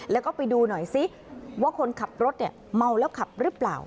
แล้วก็ไปดูหน่อยซิว่าคนขับรถเนี่ยเมาแล้วขับหรือเปล่า